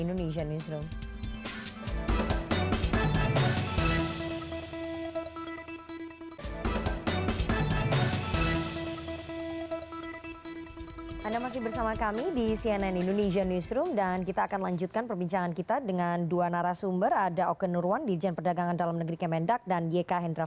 oke tahan dulu kita harus jeda terlebih dahulu